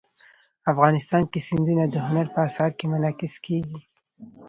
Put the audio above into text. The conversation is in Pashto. افغانستان کې سیندونه د هنر په اثار کې منعکس کېږي.